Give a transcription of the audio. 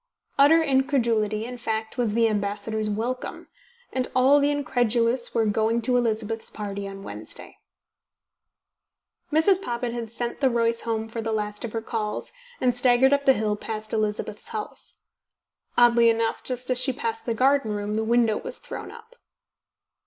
Utter incredulity, in fact, was the ambassador's welcome ... and all the incredulous were going to Elizabeth's party on Wednesday. Mrs. Poppit had sent the Royce home for the last of her calls, and staggered up the hill past Elizabeth's house. Oddly enough, just as she passed the garden room, the window was thrown up."